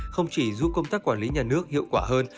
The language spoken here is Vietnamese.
không chỉ giúp công tác quản lý nhà nước hiệu quả hơn